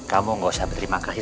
kamu gak usah berterima kasih